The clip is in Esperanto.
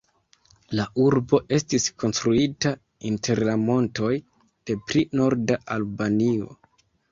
La urbo estis konstruita inter la montoj de pli norda Albanio.